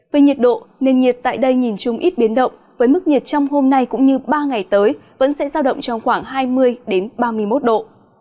về nhiệt độ nền nhiệt tại đây nhìn chung ít biến động với mức nhiệt trong hôm nay cũng như ba ngày tới vẫn sẽ giao động trong khoảng hai mươi ba mươi một độ